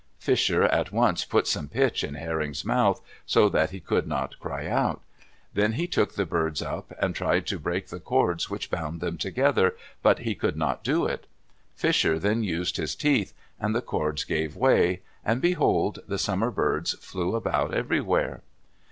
Fisher at once put some pitch in Herring's mouth, so that he could not cry out. Then he took the birds up, and tried to break the cords which bound them together; but he could not do it. Fisher then used his teeth, and the cords gave way, and behold! the Summer Birds flew about everywhere.